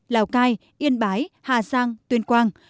lào cai yên bái hà giang tuyên quang